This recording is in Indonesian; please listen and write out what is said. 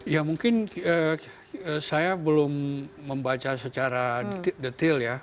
ya mungkin saya belum membaca secara detail ya